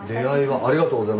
ありがとうございます。